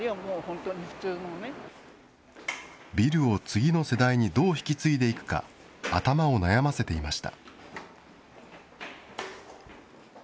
ビルを次の世代にどう引き継いでいくか、頭を悩ませていました。